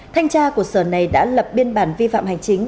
thanh tra của sở này đã lập biên bản vi phạm hành chính